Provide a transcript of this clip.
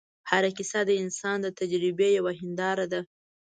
هره کیسه د انسان د تجربې یوه هنداره ده.